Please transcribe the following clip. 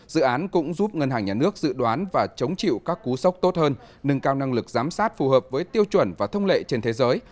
dự án cũng giúp ngân hàng nhà nước dự đoán và chống chịu các cú sốc tốt hơn nâng cao năng lực giám sát phù hợp với tiêu chuẩn và thông lệ trên thế giới